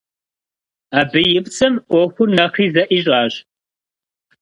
Абы и пцӏым ӏуэхур нэхъри зэӏищӏащ.